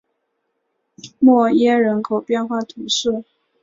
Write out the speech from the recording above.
默耶人口变化图示